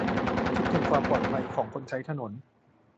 -คิดถึงความปลอดภัยของคนใช้ถนน